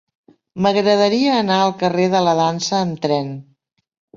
M'agradaria anar al carrer de la Dansa amb tren.